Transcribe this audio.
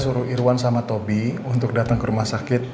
suruh irwan sama tobi untuk datang ke rumah sakit